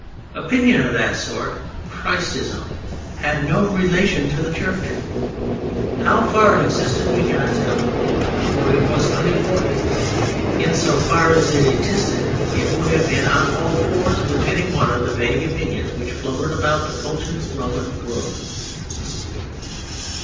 Opinion of that sort, "Christism," had no relation to the Church. How far it existed we cannot tell, for it was unimportant. In so far as it existed it would have been on all fours with any one of the vague opinions which floated about the cultured Roman world.